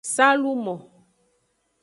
Salumo.